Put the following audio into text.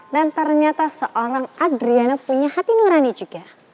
dan ternyata seorang adriana punya hati nurani juga